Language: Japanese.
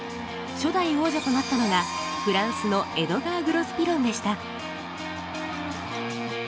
初代王者となったのがフランスのエドガー・グロスピロンでした。